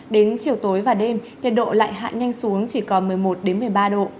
đến chiều tối và đêm nhiệt độ lại hạn nhanh xuống chỉ có một mươi một đến một mươi ba độ